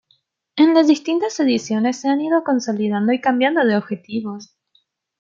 En las distintas ediciones se han ido consolidando y cambiando de objetivos.